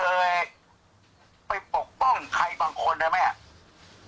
แม่ยังคงมั่นใจและก็มีความหวังในการทำงานของเจ้าหน้าที่ตำรวจค่ะ